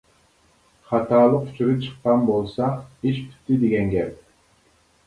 خاتالىق ئۇچۇرى چىققان بولسا ئىش پۈتتى دېگەن گەپ.